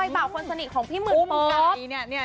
เบาคนสนิทของพี่หมื่นบอบ